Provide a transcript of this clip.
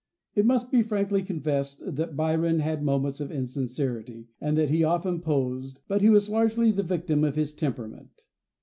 It must be frankly confessed that Byron had moments of insincerity, and that he often posed; but he was largely the victim of his temperament.